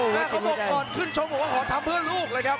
แต่เขาบอกก่อนขึ้นชกบอกว่าขอทำเพื่อลูกเลยครับ